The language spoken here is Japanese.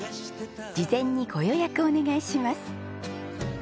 事前にご予約お願いします。